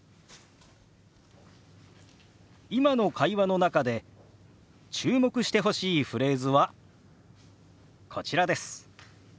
今の会話の中で注目してほしいフレーズはこちらです。